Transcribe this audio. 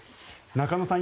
中野さん